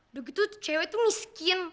udah gitu cewek tuh miskin